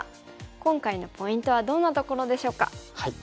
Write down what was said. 今回のポイントはどんなところでしょうか。